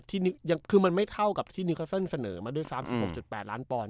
ที่ยังคือมันไม่เท่ากับที่นิวคัลเซินเสนอมาด้วยสามสิบหกจุดแปดล้านปอนด์